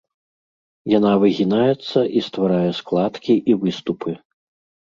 Яна выгінаецца і стварае складкі і выступы.